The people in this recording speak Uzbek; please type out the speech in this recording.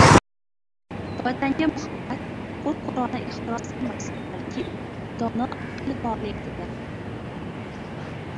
vatanga muhabbat ko‘r-ko‘rona ehtiros emas, balki dono aql faoliyatidir.